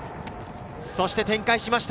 そして展開しました。